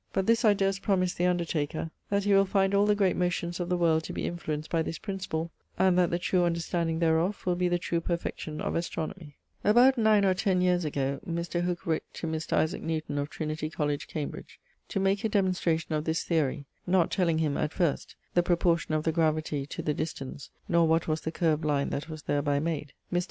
But this I durst promise the undertaker; that he will find all the great motions of the world to be influenced by this principle, and that the true understanding thereof will be the true perfection of Astronomy.'] About 9 or 10 years ago, Mr. Hooke writt to Mr. Isaac Newton, of Trinity College, Cambridge, to make[CXXXIII.] a demonstration of this theory, not telling him, at first, the proportion of the gravity to the distance, nor what was the curv'd line that was thereby made. Mr.